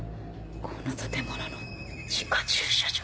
この建物の地下駐車場。